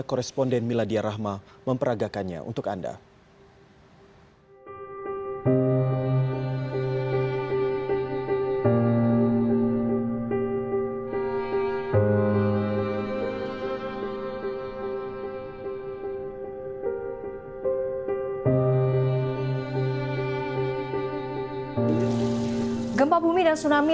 koresponden miladia rahma memperagakannya untuk anda